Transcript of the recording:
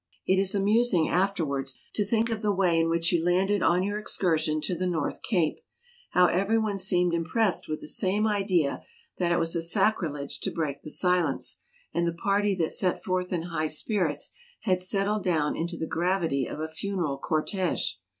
It is amusing, afterwards, to think of the way in which you landed on your excursion to the North Cape ; how everyone seemed impressed with the same idea that it was a sacrilege to break the silence, and the party that set forth in high spirits had settled down into the gravity of a funeral cortege.